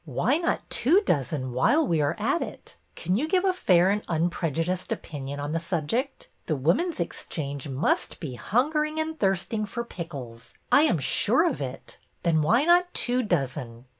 '' Why not two dozen while we are at it? Can you give a fair and unprejudiced opinion on the subject? The Woman's Exchange must be hun gering and thirsting for pickles. I am sure of it ! Then why not two dozen?